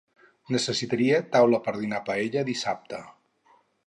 Necessitaria taula per dinar paella dissabte.